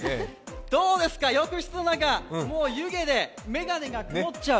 どうですか、浴室の中もう湯気で眼鏡がくもっちゃう。